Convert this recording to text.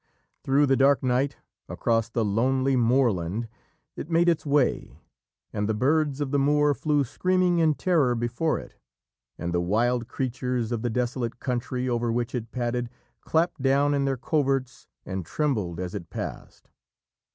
Through the dark night, across the lonely moorland, it made its way, and the birds of the moor flew screaming in terror before it, and the wild creatures of the desolate country over which it padded clapped down in their coverts and trembled as it passed.